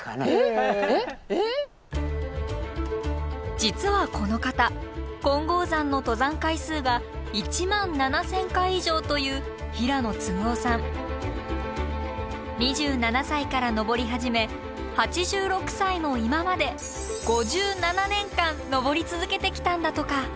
実はこの方金剛山の登山回数が１万７，０００回以上という２７歳から登り始め８６歳の今まで５７年間登り続けてきたんだとか。